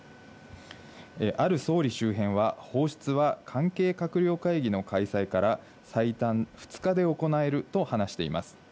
ある総理周辺は、放出は関係閣僚会議の開催から最短２日で行えると話しています。